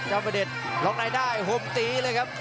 กรรมการแดดรองในได้ห่มตีเลยครับ